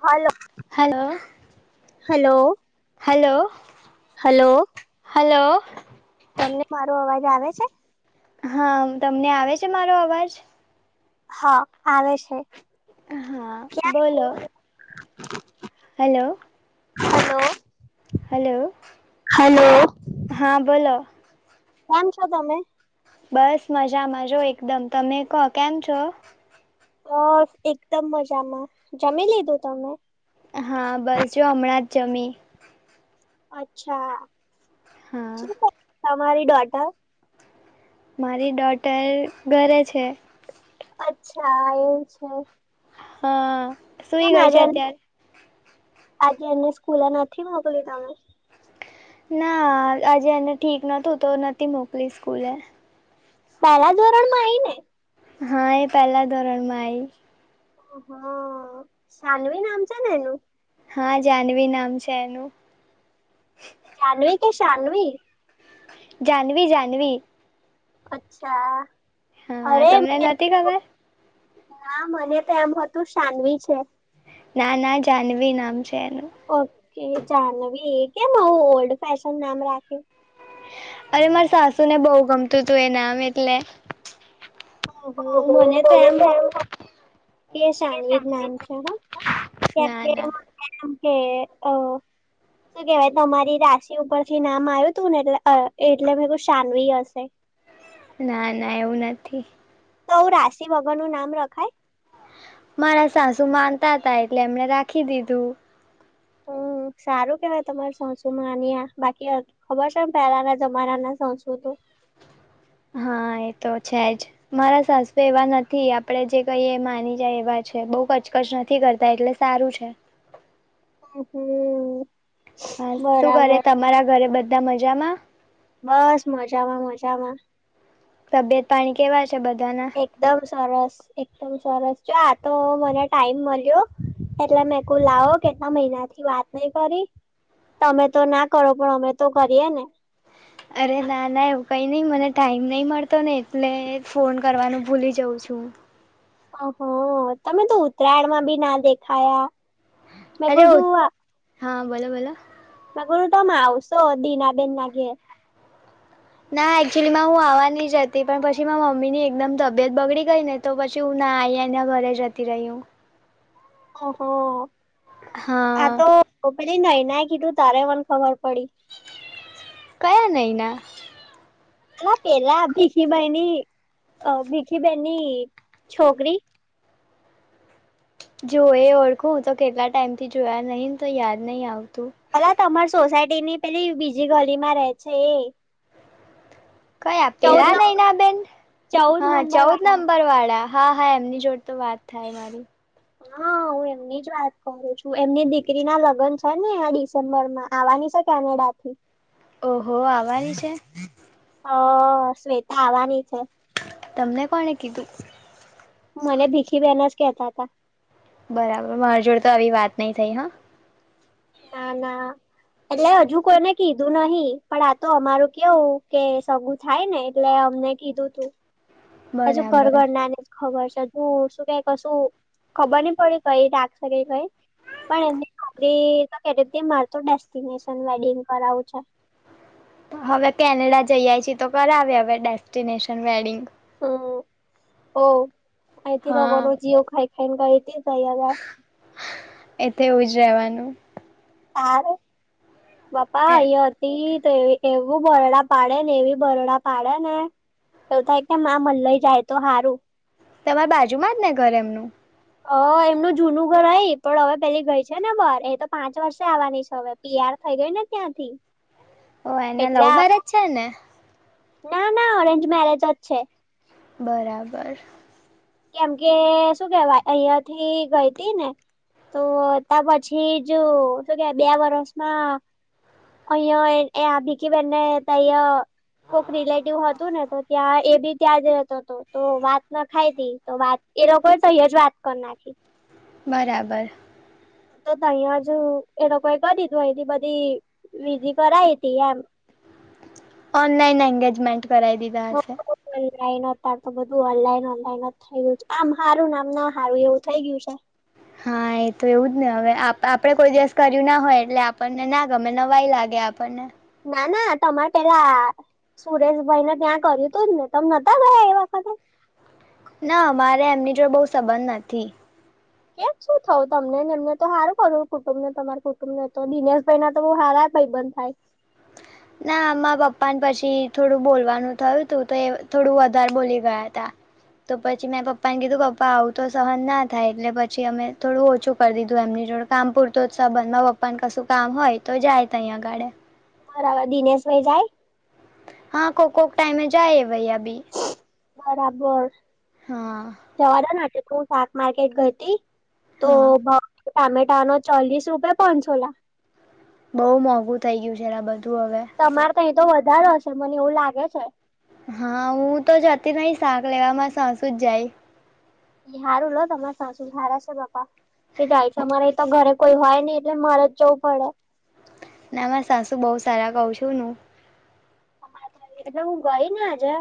હાલો hello hello. Hello. Hello. Hello. તમને મારો અવાજ આવે છે? હા. તમને આવે છે મારો અવાજ? હા આવે છે. હા ક્યાં છો બોલો [unintelligible] હલો. હલો. હેલો હલો હા બોલો. કેમ છો તમે? બસ મજામાં જો એકદમ. તમે કો કેમ છો? બસ એકદમ મજામાં. જમી લીધું તમે? હા બસ જો હમણાં જ જમી. અચ્છા. હા. શું કરે તમારી ડોટર? મારી ડોટર ઘરે છે. અચ્છા એવુ છે. હા સુઈ કેમ ગઈ છે આજે અત્યારે. આજે એમને સ્કૂલે નથી મોકલી તમે? ના આજે એને ઠીક નતું તો નથી મોકલી સ્કૂલે. પેલા ધોરણમાં આવીય ને હા એ પેલા ધોરણ માં આય હ સાનવી નામ છે એનુ હા જાહનવી નામ છે એનું જાનવી કે સાનવી જાનવી જાનવી અચ્છા હા અરે તમને નથી ખબર ના મને તો એમ હતું સાનવી છે ના ના જનવી નામ છે એનું કે જાનવી એ કેમ આવું ઓલ્ડ ફેશન નામ રાખ્યું અરે માર સાસુ ને બહુ ગમતું હતું એ નામ એટલે હ હ મને તો એમ કે સાનવીજ નામ છે કે ના હે ના હ શું કેવાય તમારી રાશિ ઉપરથી નામ આવ્યું હતું ને એલે એટલે મે સાનવી હશે ના ના એવું નથી તો રાશિ ભગવાન નું નામ રખાય મારા સાસુ માનતા હતાા એટલે એમને રાખી દીધું હ સારું કેવાય તમારી સાસુંમાંની બાકી ખબર છે પેલા ના જમારા ના સાસુ તો હા એ તો છે જ મારા સાસુ એવા નથી આપડે જે કહીએ માની જાય એવા જ બહ કચકચ નથી કરતા એટલે સારું છે હ હમ હા શું કરે બરાબર તમારા ઘરે બધા મજામાં બસ મજામાં મજામાં તબિયત પાણી કેવા છે બધાના એકદમ સરસ એકદમ સરસ છે આ તો મને ટાઈમ મળ્યો એટલે મેંકુ લાવો કે એલા મહિના થી વાત નહી કરી તમે તો ના કરો પણ અમે તો કરીએ ને અરે ના ના એવું કઈ નઈિ મને ટાઈમ નઈ મળતો ને એટલે ફોન કરવાનું ભૂલી જવ કઉ છું હ તમે તો ઉત્તરાયણમાં બી ના દેખાયા મેગડું અરે હા બોલો બોલો ગર તમે આવશો દીનાબેન નાગે ના એકચુલી માં હું આવવા નહી જતી પણ પછી મા મમ્મી ની એકદમ તબિયત બગડી ગઈ ને તો પછી હું ના આયાના ઘરે જતી રહ્યું ઓહ આ હા તો એટ ન ના કીધું તારે મને ખબર પડી કયા નૈના હલા પેલા ભીખીભાઈની અ ભીખી બેનની છોકરી જો એ ઓળખું તો કેટલા ટાઈમ થી જોયા નહીિને તો યાદ નહીિ આવ ભલા તમાર સોસાયટી ની પેલી બીજી ગલી માં રે છે એ કયા ચૌદ નં પેલા નૈ ના બેેન ચૌદ હા નંબર ચૌદ વાળા નંબર વાળા હા હા એમની જોડ તો વાત થાય મારી હા હું એમની જ વાત કરું છું એમની દીકરી ના લગ્ન છે ને આ ડિસેમ્બર માં આવવાની છે કેનેડા થી ઓહો આવવાની છે હ શ્વેતા આવવાની છે. તમને કોણે કીધું મને ભીખી બહેન જ કેતા હતા બરાબર મારી જોડે તો આવી વાત નઈ થઈ હા ના ના એટલે હજુ કોઈને કીધું નહી પણ આ તો અમારું કેવું કે સગું થાય ને એટલે અમને કીધું તું હજુ બરાબર ઘરગર નાને જ ખબર છે. તું શું કંઈ કશું ખબર નહી પડી કઈ રાત્રે ગઈ પણ એમની ખરી તો કેતી કે મારે તો ડેસ્ટિનેશન વેડિંગ કરાવું છે. હવે કેનેડા જઈ આવી છી તો કરાવે હવે ડેસ્ટિનેશન વેડિંગ હ હ એથી લોગોનુ હા જીઓ ખાઈ ખાયને ગયી તી ત્યામા એ તો એવું રહેવાનું તાર બાપા અહીંયા હતી તો એ એવું બરડા પાડે ને એવી બરડા પાડે ને એવું થાય કે ના મન લઈ જાય તો સારું તમારે બાજુમાં જ ને ઘર એમનું હ એમનું જૂનું ઘર હઈ પણ હવે પેલી ગઈ છે ને બાર એ તો પાંચ વર્ષે આવવાની છે હવે તીયાર થઈ ગઈને ત્યાંથી ઓ એને લવ એટલે મેરેજ છે ને ના ના ઓરેન્જ મેરેજ જ છે. બરાબર કેમ કે શું કેવાય અહિયાથી ગઈ તી ને તો ત્યા પછી જો શો કે બે વરષમાં અહીંયા એ આ ભીખી બેને તય કોક રિલેટિવ હતું ને તો ત્યાં એ બી ત્યાં જ રહેતો હતો તો વાત ના ખાયતી તો વાત એ લોકો સહી જ વાત કરી નાખી બરાબર તો તહીંયાજ એ લોકોએ કરી દીધું અહીથી બધી વિધિ કરાઈ તી એમ [unintelligible] ઓનલાઈન એંગેજમેન્ટ કરાય દીધા હશે તો ઓનલાઈન બધું ઓનલાઈન ઓનલાઈન જ થઈ ગય છે આમ હારું ને આમ ના હારું એવું થઇ ગયું છે. હા એ તો એવું જ ને હવે આપડે કોઈ દિવસ કરી ના હોય એટલે આપણને ના ગમે નવાઈ લાગે આપણને ના ના તમારે પેલા સુરેશભાઈ ને ત્યાં કર્યું તું જ ને તમ નતા ગયા એ વખતે [unintelligible] ના મારે એમની જોડે બો સંબંધ નથી. કેમ શું થવું તમનેને એમને તો સારું ખરું કુટુંબને તમારા કુટુંબ ને તો દિનેશભાઈ ના તો બો હારા ભાઈબંધ થાય [unintelligible] ના મારા પપ્પા ને પછી થોડું બોલવાનું થયું તું તો એ થોડું વધારે બોલી ગયા તા તો પછી મેં પપ્પા ને કીધું પપ્પા આવું તો સહન ના થાય એટલે પછી અમે થોડું ઓછું કરી દીધું એમની જોડ કામ પૂરતો જ સાબંધ માં પપ્પાને કશું કામ હોય તો જાય તહીંય અગાડે મારા દિનેશભાઈ જાય હા કોકોક ટાઈમે જાય ભાઈયા બી બરાબર હા જવાદો નથી તું શાક માર્કેટ ગયતી તો હા ટામેટા નો ચોલીસ રૂપે પચોલા બહુ મોંઘું થઇ ગયું છે એરા બધ તમારે તંય તો વધારો હશે મને એવું લાગે છે. હા હું તો જતી નહિ શાક લેવામાં સાસું જ જાય હારું લો તમારે સાસું સારા છે પાપા કે જાય છે અમારે તો ઘરે કોઈ હોય નઈ એટલે મારે જ જવું પડે ના અમા સાસુ બહ સારા કઉ છું નું એટલે હું ગઈ ને આજે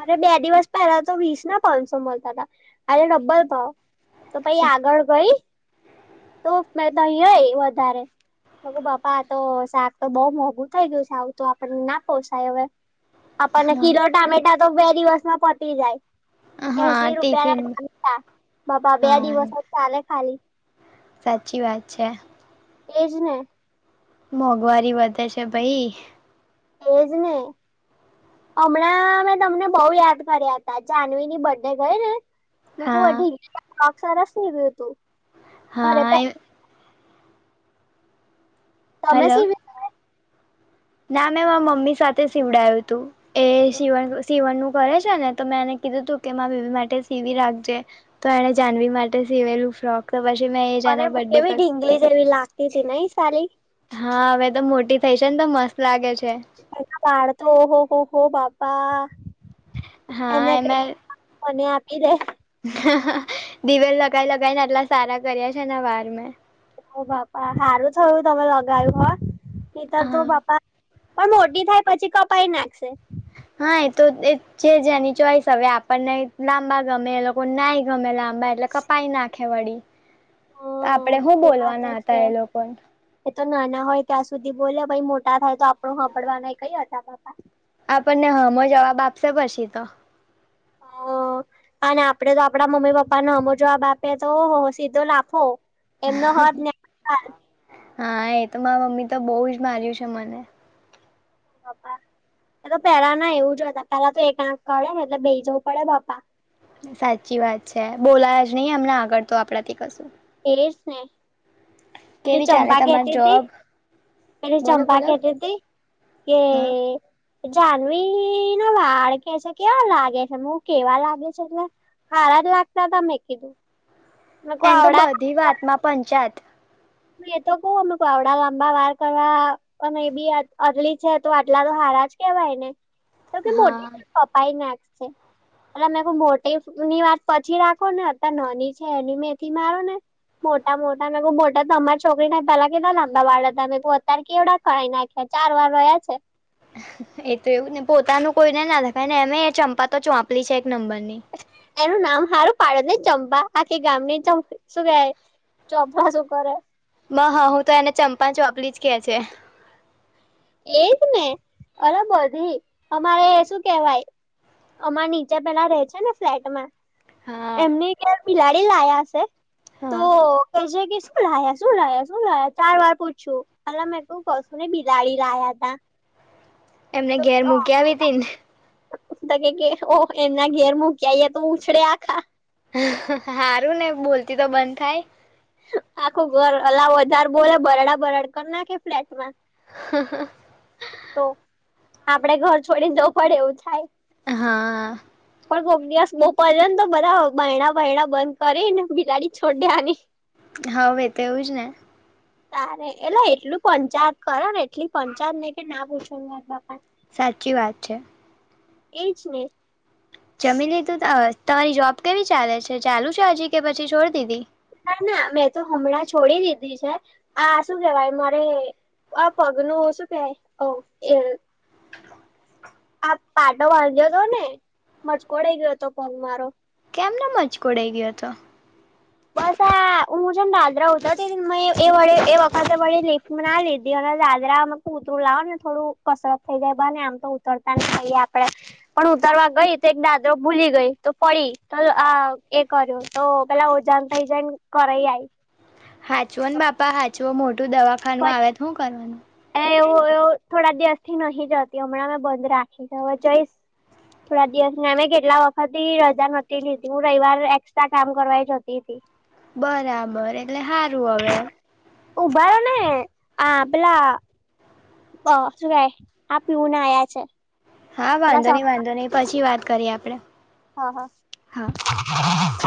અરે બે દિવસ પહેલા તો વીસ ના પાંચસો મળતા હતા અનેરે ડબ્બલ ભાવ તો પાઈ આગળ ગઈ તો નહીય વધારે બગુ બાપા તો શાક તો બઉુ મોંઘું થઇ ગયું છે આવું તો આપણને ના પોસાય હવે આપણને કિલો હા ટામેટા તો બે દિવસમાં પતી જાય હા એસી રૂપિયા ટિફિન નામે બાપા બે હા દિવસ જ ચાલે ખાલી સાચી વાત છે એજ ને મોંઘવારી વધે છે ભાઈ એજ ને હમણાં મેં તમને બહ યાદ કર્યા હતા જહવીની બર્ડે ગઈ ને મે ક હા અઢી પાક સરસ ઈ ગયું તું હા તમે હલો સી ના મેં મારા મમ્મી સાથે સીવડાયું હતું એ સ સીવણનું કરે છે ને તો મેં એને કીધું તું કે મા બેબી માટે સીવી રાખજે તો એને જાહનવી માટે સીવેલું ફ્રોક તો પછી મેં એ જ અરે એના બર્થડે કેવી પર ઢીંગલી જેવી લાગતી હતી નઈ સાલી હા હવે તો મોટી થઈ છે ને તો મસ્ત લાગે છે. [unintelligible] હો હો બાપા હા એને ક એમાં મને આપી દે દિવેલ લગાઈ લગાઈ ને આટલા સારા કર્યા છે એના વાર મેં ઓ બાપા સારું થયું તમે લગાવું હો નતર તો હા બાપા પણ મોટી થાય પછી કપાઈ નાખશે. હા એ તો એ જે જેની ચોઈસ હવે આપણને લાંબા ગમે એ લોકો ના ગમે- એટલે કપાઈ નાખે વળી આપણેે હું એ વાત બોલવાના જ છે હતા એ લોકો એ તો નાના હોય ત્યાં સુધી બોલે ભાઈ મોટા થાય તો આપણું હાભડવાનાય કઈ હતા બાપા આપણને હામો જવાબ આપશે પછી તો હા અને આપડે તો આપડા મમ્મી પપ્પાને હામો જવાબ આપીએ તો ઓહો સીધો લાફો એમનો [unintelligible] હા એ તો મારા મમ્મી તો બહુ જ માર્યું છે મને [inaudible] એ તો પેલા ના એવું જ હતા પેલા તો એક આંખ કાડેને એટલે બેહી જવું પડે બાપા સાચી વાત છે બોલાય જ નહી અમને આગળ તો આપડા થી કશું એજ ને પેલી કેવી ચાલે ચંપા તમારી કેહતી હતી જોબ પેલી બોલો ચંપા બોલો કેતી હતી કે હા જાનવી નો વાળ કે છે કેવા લાગે છે [unintelligible] કેવા લાગે છે એટલે હારા જ લાગતા તા મે કીધું મેં કુ એને તો આવડા બધી વાતમાં પંચાત એતો કવ અમુ આવડા લાંબા વાર કરવા અને એ બી અટલી છે તો આટલા તો હારા જ કેવાયને તો કે મોટી હા કપાઈ નાખશે અલા મેં કીધું મોટી ની વાત પછી રાખો ને અતારે નાની છે એની મેથી મારો ને મોટા મોટા મેં [unintelligible] તો અમારી છોકરીને પેલા કેટલા લાંબા વાળ હતા મેં કીધું અત્યારે કેવડા કરાઈ નાખ્યા ચાર વાર રહ્યા છે એ તો એવું ને પોતાનું કોઈ ને નાખાયને એમે ચંપા તો ચોંપલી છે નંબરની એનું નામ સારું પાડેને ચંપા આખી ગામ ની પ [unintelligible] શું કરે માર હાહુ તો એને ચંપા ચોપલી જ કે છે, એજ ને અલા બધી અમારે શું કેવાય? અમાર નીચે પેલા રહે છે ને ફ્લેટમાં હા એમને ઘેર બિલાડી લાયા હશે તો હા કે છેકે શું લાયા શું લાયા શું લાયા ચાર વાર પૂછયું અલા મેં કઉ કશું નઈ લાબિલાડી લાયાતા. એમને ઘેર મૂકયા વીતી ને [inaudible] હારું ને બોલતી તો બંધ થાય આખું ઘર અલા વધાર બોલે બરાડા બરાડ કર નાખે ફ્લેટ માં હ હ તો આપડે ઘર છોડી જવું પડે એવું થાય. હા પકો તો બધા બય ણા બહેણા બંધ કરી ને બિલાડી છોડેની હોવ એતો એવું જ ને તારે એટલે એટલું પંચાયત કરો ને એટલી પંચાયત ને કે ના પૂછવાનું વાત બાપા સાચી વાત છે. એજ ને જમી લીધું ત તમારી જોબ કેવી ચાલે છે ચાલુ છે હજી કે પછી છોડ દીધી ના ના મેં તો હમણાં છોડી દીધી છે આ શું કેવાય મારે આ પગનું શું કેવાય અવ એ આ પાટો બાંધ્યો હતો ને મજકોડાઈ ગયો હતો પગ મારો એમનો મજકોડાઈ ગયો હતો બસ આ આ હું જેમ દાદરા ઉતરતી હતી ને મેં એ વડે એ વખતે વડે લિફ્ટમાં ના લીધી અને દાદરા ઉતરું લાવોને થોડું કસરત થઈ જાય બને આમ તો ઉતરતા થઈએ આપડે પણ ઉતરવા ગઈ તો એક દાદરો ભૂલી ગઈ તો પડી તો આ એ કર્યો તો પેલા જેમ તઈ જઈને કરાય આઈ હાંચવોને બાપા હાંચવો મોટું દવાખાનું પછી આવે તો શું કરવાનું એવું એવું એવ થોડા દિવસથી નહી જતી હમણાં મેં બંધ રાખી છે હવે જઈસ થોડા દિવસને અમે કેટલા વખતથી રજા નથી લીધી હું રવિવાર એકસ્ટ્રા કામ કરવા જતી હતી. બરાબર એટલે સારું હવે ઉભા રહો ને આ પેલા અ શું કેય આ પીયુન આયા છે. હા વાંધો પેલા ની વાંધો નય પછી વાત કરીએ આપડે હા હા